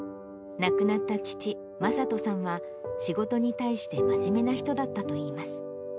亡くなった父、正人さんは、仕事に対して真面目な人だったといいます。